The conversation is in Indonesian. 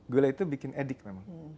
gula itu bikin edik memang